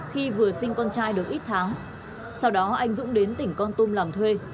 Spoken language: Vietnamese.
khi vừa sinh con trai được ít tháng sau đó anh dũng đến tỉnh con tum làm thuê